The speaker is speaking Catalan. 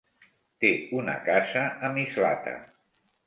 Té una casa a Mislata.